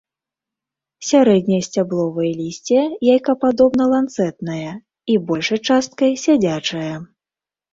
Сярэдняе сцябловае лісце яйкападобна-ланцэтнае і большай часткай сядзячае.